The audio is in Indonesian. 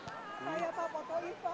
kalimantan pak doa perutnya